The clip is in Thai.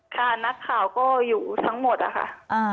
ค่ะนักข่าวก็อยู่ทั้งหมดอะค่ะ